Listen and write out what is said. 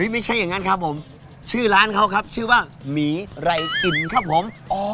ไม่ใช่อย่างนั้นครับผมชื่อร้านเขาครับชื่อว่าหมีไรกลิ่นครับผม